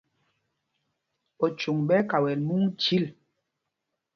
Ochuŋ ɓɛ́ ɛ́ kawɛl múŋ chǐl.